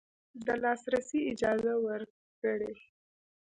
د لاسرسي اجازه ورکړي